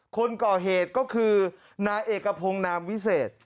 คนก่อเหตุก็คือนายเอกพงศ์นามวิเศษ